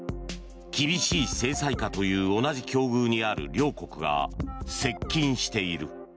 厳しい制裁下という同じ境遇にある両国が接近している。